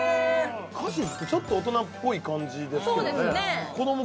カシスってちょっと大人っぽい感じですけどそうですね